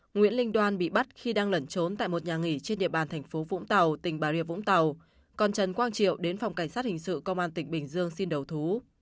nguyễn linh đoan bị bắt khi đang lẩn trốn tại một nhà nghỉ trên địa bàn thành phố vũng tàu tỉnh bà rịa vũng tàu còn trần quang triệu đến phòng cảnh sát hình sự công an tỉnh bình dương xin đầu thú